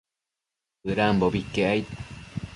Bëdambobi iquec aid